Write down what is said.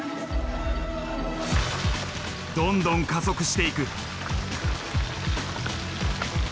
どんどん加速していく。